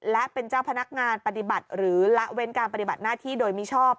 และเป็นเจ้าพนักงานปฏิบัติหรือละเว้นการปฏิบัติหน้าที่โดยมิชอบ